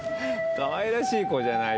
かわいらしい子じゃない。